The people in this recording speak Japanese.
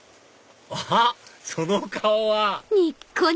あっその顔は！